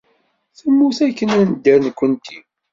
Temmut akken ad nedder nekkenti.